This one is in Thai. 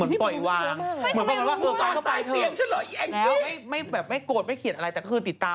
แต่ว่าไม่เอาแล้วไม่เอาแล้ววะ